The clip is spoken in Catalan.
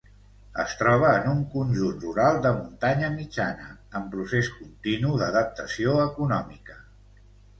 Es troba en un conjunt rural de muntanya mitjana, en procés continu d'adaptació econòmica.